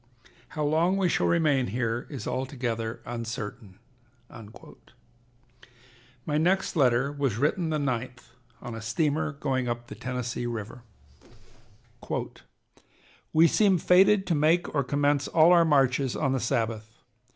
How long we shall remain here is altogether uncertain." My next letter was written the 9th on a steamer going up the Tennessee River: "We seem fated to make or commence all our marches on the Sabbath.